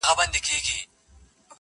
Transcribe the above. • چي هر څو یې هېرومه نه هیریږي -